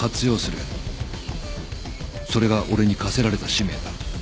それが俺に課せられた使命だ。